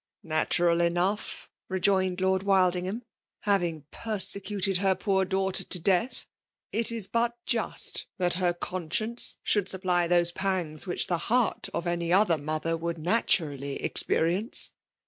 '^ Natural enough!" rejoined Locd Wild ingham. ^' Having persecuted her poor dangfa* ter to death, it is but just thai her eonsciettee should supply those pangs which the heart of any other mother would naturally experience.